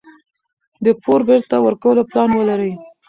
د پور بیرته ورکولو پلان ولرئ.